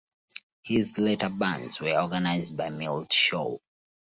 His later bands were organized by Milt Shaw.